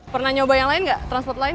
pernah nyoba yang lain nggak transport lain